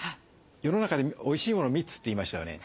世の中でおいしいもの３つって言いましたよね。